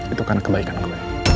itu karena kebaikan lu